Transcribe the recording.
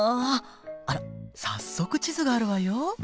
あら早速地図があるわよ。